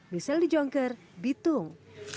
misalnya di jongker bitung